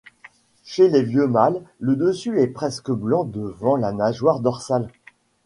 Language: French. Chez les vieux mâles le dessus est presque blanc devant la nageoire dorsale.